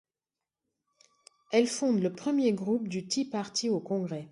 Elle fonde le premier groupe du Tea Party au Congrès.